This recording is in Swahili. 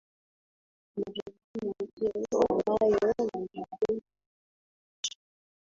majukumu je wanayo majukumu yakutosha